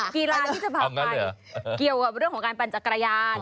กีฬาที่จะพาไปเกี่ยวกับเรื่องของการปั่นจักรยาน